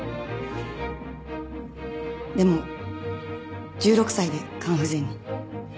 でも１６歳で肝不全に。